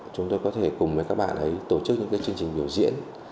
chúng tôi có thể cùng với các bạn ấy tổ chức những cái chương trình biểu diễn